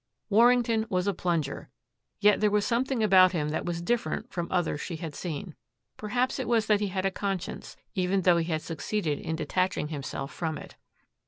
Warrington was a plunger. Yet there was something about him that was different from others she had seen. Perhaps it was that he had a conscience, even though he had succeeded in detaching himself from it.